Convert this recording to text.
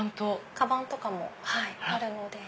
カバンとかもあるので。